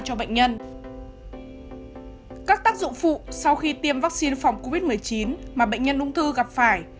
các tác dụng phụ sau khi tiêm vaccine phòng covid một mươi chín mà bệnh nhân ung thư gặp phải